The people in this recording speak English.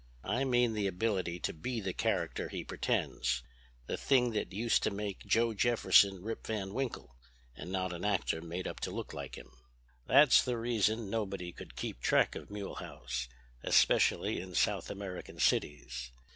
I mean the ability to be the character he pretends—the thing that used to make Joe Jefferson, Rip Van Winkle—and not an actor made up to look like him. That's the reason nobody could keep track of Mulehaus, especially in South American cities.